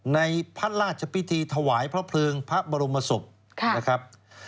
ในพระราชพิธีถวายพระเพลิงพระบรมศพนะครับ